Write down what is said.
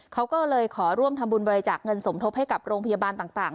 เขาก็เลยขอร่วมทำบุญบริจาคเงินสมทบให้กับโรงพยาบาลต่าง